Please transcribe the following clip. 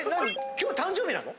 今日誕生日なの？